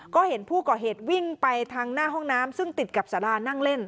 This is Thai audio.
ก็เห็นผู้ก่อเหตุวิ่งไปทางหน้าห้องน้ำซึ่งติดกับสารานั่งเล่น